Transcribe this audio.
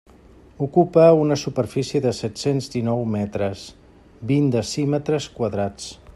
Ocupa una superfície de set-cents dinou metres, vint decímetres quadrats.